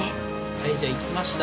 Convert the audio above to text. はいじゃあいきました。